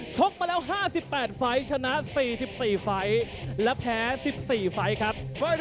ชกมาแล้ว๕๘ไฟล์ชนะ๔๔ไฟล์และแพ้๑๔ไฟล์ครับ